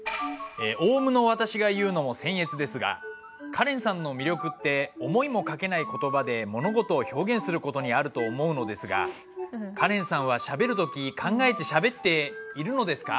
オウムの私が言うのもせん越ですがカレンさんの魅力って思いもかけない言葉で物事を表現する事にあると思うのですがカレンさんはしゃべる時考えてしゃべっているのですか？